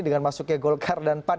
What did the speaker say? dengan masuknya golkar dan pan